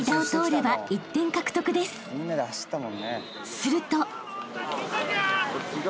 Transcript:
［すると］